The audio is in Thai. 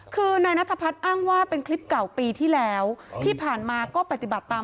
คือนายนัทพัฒน์อ้างว่าเป็นคลิปเก่าปีที่แล้วที่ผ่านมาก็ปฏิบัติตาม